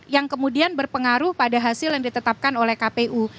yang kemudian berpengaruh pada hasil yang ditetapkan oleh kpu